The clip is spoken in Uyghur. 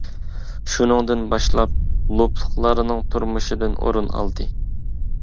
شۇنىڭدىن باشلاپ لوپلۇقلارنىڭ تۇرمۇشىدىن ئورۇن ئالدى.